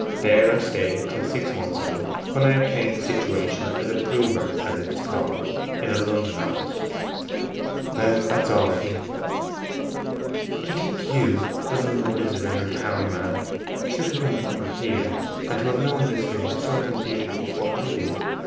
There I stayed till six months ago, when I obtained a situation as improver, as it is called, in a London office. That's all of me.' 'To think YOU, the London visitor, the town man, should have been born here, and have known this village so many years before I did.